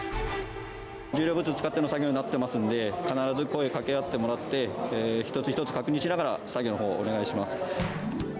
重量物を使っての作業になりますので、必ず声かけ合ってもらって、一つ一つ確認しながら、作業のほうお願いします。